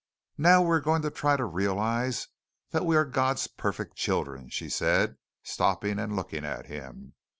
"Now we are going to try to realize that we are God's perfect children," she said, stopping and looking at him.